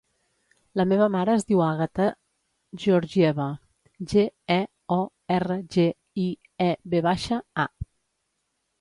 La meva mare es diu Àgata Georgieva: ge, e, o, erra, ge, i, e, ve baixa, a.